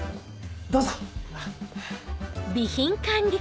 どうぞ。